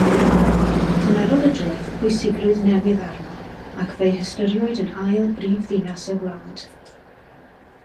Cymerodd y dref pwysigrwydd newydd arno ac fe'i hystyriwyd yn ail brifddinas y wlad.